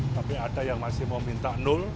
tapi ada yang masih mau minta nol